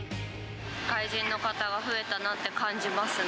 外人の方が増えたなって感じ